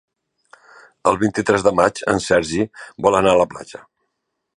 El vint-i-tres de maig en Sergi vol anar a la platja.